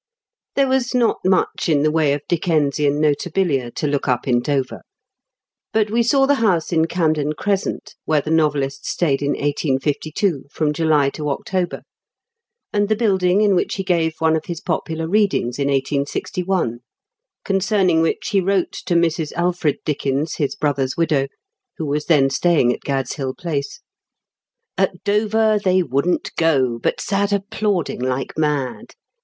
There was not much in the way of Dickensian notabilia to look up in Dover, but we saw the house in Camden Crescent where the novelist stayed in 1852, from July to October, and the building in which he gave one of his popular readings in 1861, concern ing which he wrote to Mrs. Alfred Dickens, his brother's widow, who was then stayiiig at Gad's Hill Place : "At Dover they wouldn't go, but sat applauding like mad.